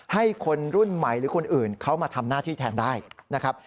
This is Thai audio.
ให้คนรุ่นใหม่หรือคนอื่นเขามาทำหน้าที่แทนได้นะครับ